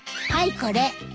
はいこれ。